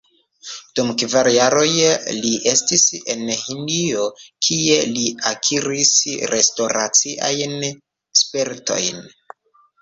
Dum kvar jaroj li estis en Hindio, kie li akiris restoraciajn spertojn.